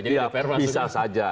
iya bisa saja